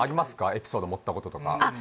エピソード盛ったこととかあっ